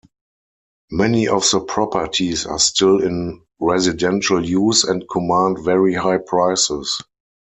Many of the properties are still in residential use and command very high prices.